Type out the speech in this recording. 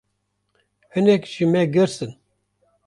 Hinek ji me girs in.